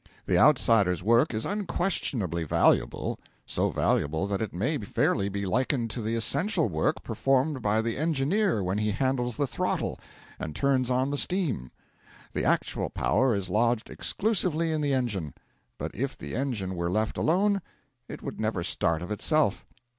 The outsider's work is unquestionably valuable; so valuable that it may fairly be likened to the essential work performed by the engineer when he handles the throttle and turns on the steam: the actual power is lodged exclusively in the engine, but if the engine were left alone it would never start of itself.